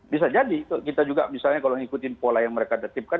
bisa jadi kita juga misalnya kalau ngikutin pola yang mereka tertipkan